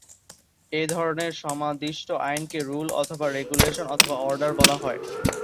এধরনের সমাদিষ্ট আইনকে রুল অথবা রেগুলেশন অথবা অর্ডার বলা হয়।